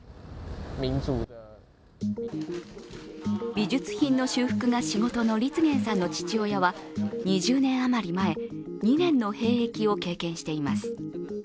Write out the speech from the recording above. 美術品の修復が仕事の立玄さんの父親は、２０年余り前、２年の兵役を経験しています。